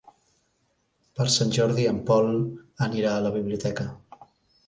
Per Sant Jordi en Pol anirà a la biblioteca.